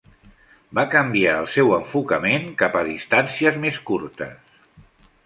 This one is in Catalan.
Va canviar el seu enfocament cap a distàncies més curtes.